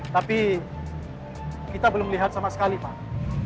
tapi kita belum lihat sama sekali pak